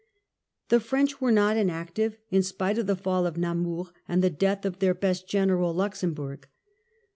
The French were not inactive, in spite of the fall of Namur and the death of their best general, Luxembourg.